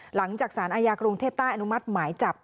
หลังจากสารอาญากรุงเทพใต้อนุมัติหมายจับ